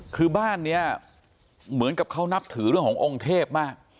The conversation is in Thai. คือบ้านนี้เหมือนกับเขานับถือเรื่องขององค์เทพมาก